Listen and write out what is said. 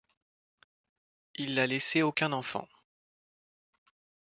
Il a laissé aucun enfant.